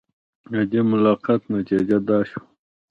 د دې ملاقات نتیجه دا شوه.